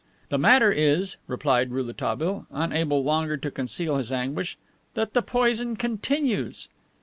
"The matter is," replied Rouletabille, unable longer to conceal his anguish, "that the poison continues."